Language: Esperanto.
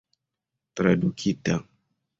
tradukita